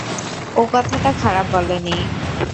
ও কথাটা খারাপ বলেনি।